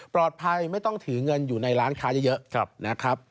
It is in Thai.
ไม่ต้องถือเงินอยู่ในร้านค้าเยอะนะครับ